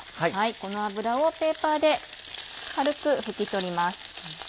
この脂をペーパーで軽く拭き取ります。